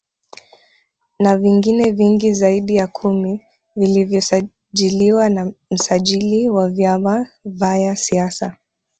Na vingine vingi zaidi ya kumi vilivyosajiliwa na msajili wa vyama vaya siasa